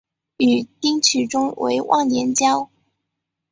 与丁取忠为忘年交。